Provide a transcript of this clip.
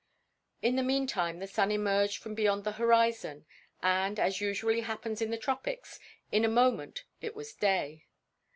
In the meantime the sun emerged from beyond the horizon and, as usually happens in the tropics, in a moment it was day.